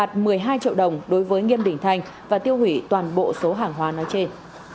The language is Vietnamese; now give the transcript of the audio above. hai triệu đồng đối với nghiêm đình thanh và tiêu hủy toàn bộ số hàng hóa nói trên